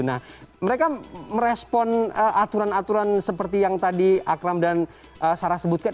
nah mereka merespon aturan aturan seperti yang tadi akram dan sarah sebutkan